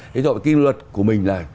thế rồi cái luật của mình là